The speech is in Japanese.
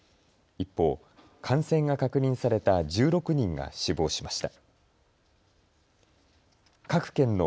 一方、感染が確認された１６人が死亡しました。